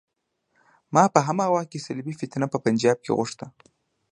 ما په هماغه وخت کې صلیبي فتنه په پنجاب کې غوښته.